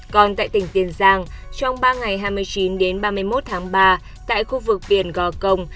còn tại tỉnh tiền giang trong ba ngày hai mươi chín đến ba mươi một tháng ba tại khu vực biển gò công